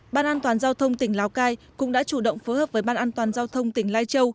ban an toàn giao thông tỉnh lào cai cũng đã chủ động phối hợp với ban an toàn giao thông tỉnh lai châu